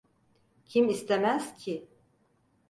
Kim istemez ki?